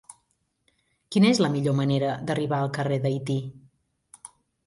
Quina és la millor manera d'arribar al carrer d'Haití?